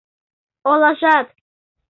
Олажат...